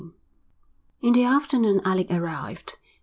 XX In the afternoon Alec arrived.